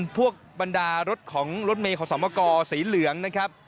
บรรดารถของรถเมย์ขอสมกสีเหลืองนะครับ